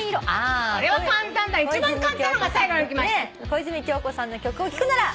小泉今日子さんの曲を聴くなら？